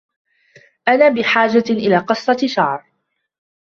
أنا بحاجة إلى قَصِة شَعر.